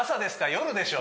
夜でしょ